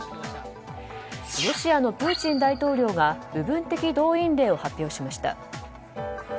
ロシアのプーチン大統領が部分的動員令を発表しました。